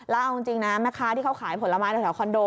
แล้วเอาจริงนะแม่ค้าที่เขาขายผลไม้แถวคอนโด